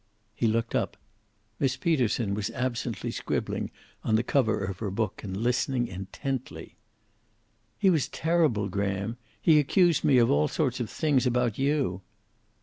He looked up. Miss Peterson was absently scribbling on the cover of her book, and listening intently. "He was terrible, Graham. He accused me of all sorts of things, about you."